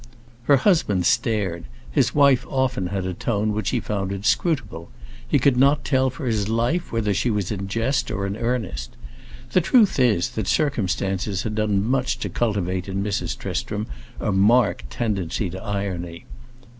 Her husband stared; his wife often had a tone which he found inscrutable he could not tell for his life whether she was in jest or in earnest. The truth is that circumstances had done much to cultivate in Mrs. Tristram a marked tendency to irony.